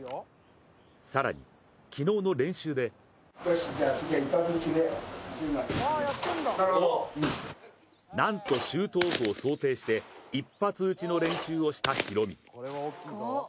更に、昨日の練習で何と、シュートオフを想定して１発撃ちの練習をしたヒロミ。